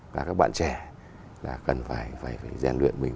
và các bạn trẻ là cần phải rèn luyện mình